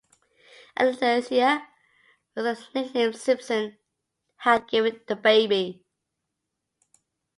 "Anaesthesia" was a nickname Simpson had given the baby.